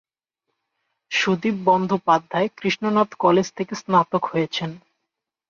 Sudip Bandyopadhyay Krishnath college থেকে স্নাতক হয়েছেন।